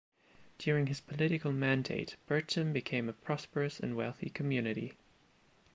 During his political mandate, Berchem became a prosperous and wealthy community.